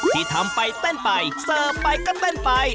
ที่ทำไปเต้นไปเสิร์ฟไปก็เต้นไป